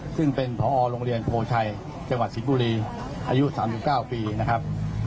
ซึ่งเป็นพอโรงเรียนโพชัยจังหวัดสิงห์บุรีอายุ๓๙ปีนะครับ